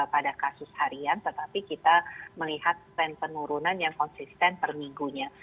pada kasus harian tetapi kita melihat tren penurunan yang konsisten per minggunya